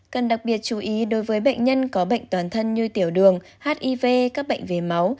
cần đặc biệt chú ý đối với bệnh nhân có bệnh toàn thân như tiểu đường hiv các bệnh về máu